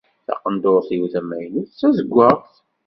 Taqenduṛt-iw tamaynut d tazewwaɣt.